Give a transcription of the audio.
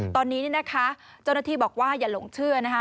ตอนนี้เนี่ยนะคะเจ้าหน้าที่บอกว่าอย่าหลงเชื่อนะคะ